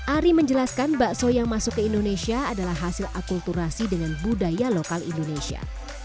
ari menjelaskan bakso yang masuk ke indonesia adalah hasil akulturasi dengan budaya lokal indonesia